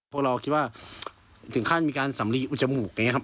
พวกเราคิดว่าถึงขั้นมีการสำลีอุจมูกอย่างนี้ครับ